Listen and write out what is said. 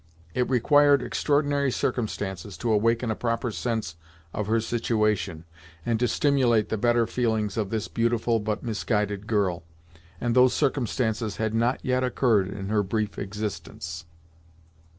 It required extraordinary circumstances to awaken a proper sense of her situation, and to stimulate the better feelings of this beautiful, but misguided girl, and those circumstances had not yet occurred in her brief existence.